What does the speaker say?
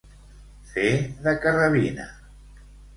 Fer de carabina.